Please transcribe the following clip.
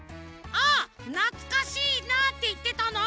「ああなつかしいなあ」っていってたの。